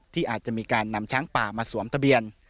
ที่อาจจะมีการนำช้างป่ามาสวมทะเบียน